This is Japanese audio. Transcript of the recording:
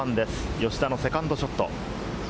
吉田のセカンドショット。